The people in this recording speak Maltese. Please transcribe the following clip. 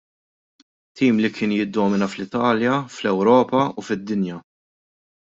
Tim li kien jiddomina fl-Italja, fl-Ewropa u fid-dinja.